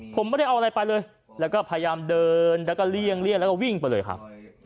ผมไม่ได้เอาอะไรไปเลยแล้วก็พยายามเดินแล้วก็เลี่ยงแล้วก็วิ่งไปเลยครับ